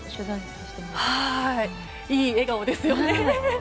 いい笑顔ですよね。